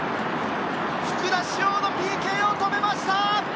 福田師王のＰＫを止めました！